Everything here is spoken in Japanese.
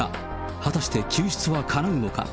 果たして救出はかなうのか。